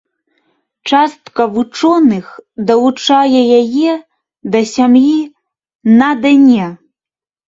Частка вучоных далучае яе да сям'і на-дэне.